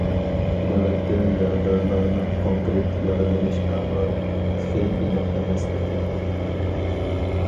نۆۋەتتە يارىدارلارنىڭ كونكرېت يارىلىنىش ئەھۋالى تېخى ئېنىق ئەمەس ئىكەن.